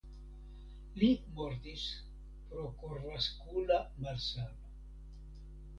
Li mortis pro korvaskula malsano.